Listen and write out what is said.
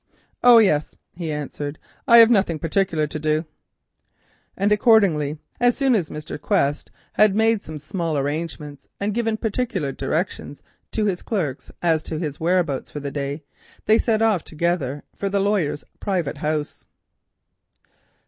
"Oh yes," he answered. "I have nothing particular to do." And accordingly, so soon as Mr. Quest had made some small arrangements and given particular directions to his clerks as to his whereabouts for the day, they set off together for the lawyer's private house.